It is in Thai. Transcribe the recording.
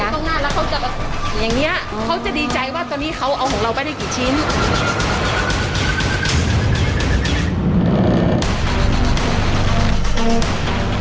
ข้างหน้าแล้วเขาจะแบบอย่างเงี้ยเขาจะดีใจว่าตอนนี้เขาเอาของเราไปได้กี่ชิ้น